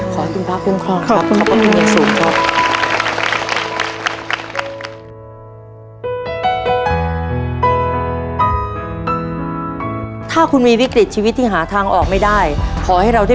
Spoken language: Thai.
ขอบคุณพระคุณครองครับ